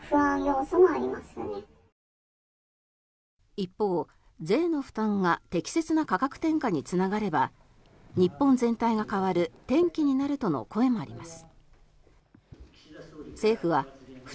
一方、税の負担が適切な価格転嫁につながれば日本全体が変わる転機になるとの声もあります。